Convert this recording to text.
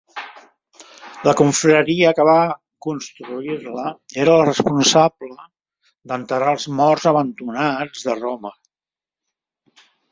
La confraria que va construir-la era la responsable d'enterrar els morts abandonats de Roma.